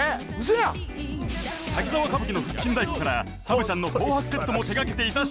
「滝沢歌舞伎」の腹筋太鼓からサブちゃんの「紅白」セットも手がけていた真実が！